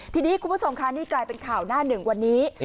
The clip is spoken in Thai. ทีนี้คุณผู้ชมค่ะนี่กลายเป็นข่าวหน้าหนึ่งวันนี้